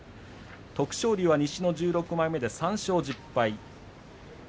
徳勝龍は西の１６枚目で３勝１０敗。